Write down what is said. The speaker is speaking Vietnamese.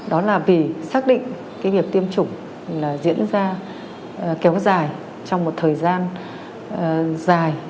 đó là vì xác định cái việc tiêm chủng diễn ra kéo dài trong một thời gian dài